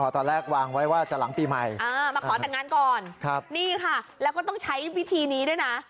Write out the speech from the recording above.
ตอนแรกวางไว้ว่าจะหลังปีใหม่มาขอแต่งงานก่อนนี่ค่ะแล้วก็ต้องใช้วิธีนี้ด้วยนะ